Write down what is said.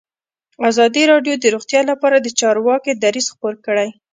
ازادي راډیو د روغتیا لپاره د چارواکو دریځ خپور کړی.